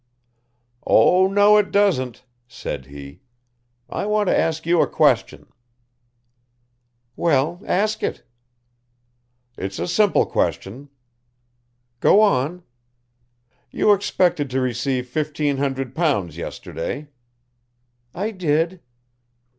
"Oh, no, it doesn't," said he. "I want to ask you a question." "Well, ask it." "It's just a simple question." "Go on." "You expected to receive fifteen hundred pounds yesterday?" "I did."